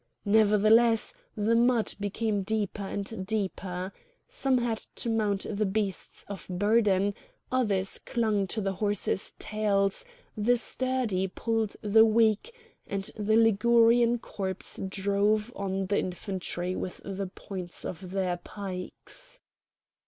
Nevertheless the mud became deeper and deeper. Some had to mount the beasts of burden; others clung to the horses' tails; the sturdy pulled the weak, and the Ligurian corps drove on the infantry with the points of their pikes.